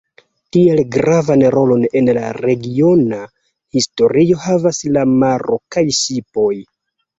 Tial gravan rolon en la regiona historio havas la maro kaj ŝipoj.